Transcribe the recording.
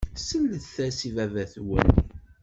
Sellet-as i baba-twen.